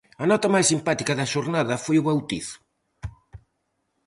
A nota máis simpática da xornada foi o bautizo.